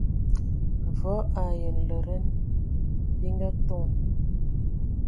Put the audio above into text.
Mvɔ ai nlɛdɛn bi ngatoŋ.